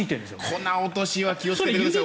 粉落としは気をつけてください。